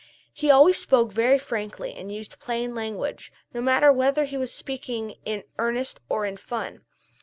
He always spoke very frankly and used plain language, no matter whether he was speaking in earnest or in fun.